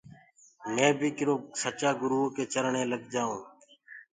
مي بي ڪِرو سچآ گُروٚئو ڪي چرني لگ جآئوٚنٚ۔